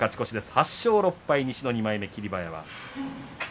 ８勝６敗、西の２枚目霧馬山。